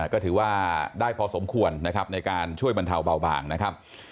ก็ถือว่าได้พอสมควรนะครับในการช่วยบรรเทาเบาบางนะครับ